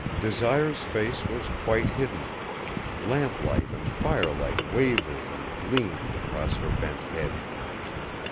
Desire's face was quite hidden; lamplight and firelight wavered and gleamed across her bent head.